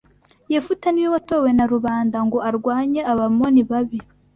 Yefuta ni we watowe na rubanda ngo arwanye Abamoni babi.